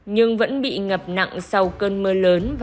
nhưng vẫn bị ngập nặng sau cơn mưa lớn